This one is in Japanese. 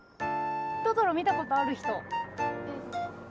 トトロ見たことある人？